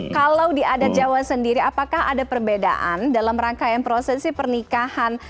kalau di adat jawa sendiri apakah ada perbedaan dalam rangkaian prosesi pernikahan